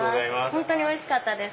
本当においしかったです。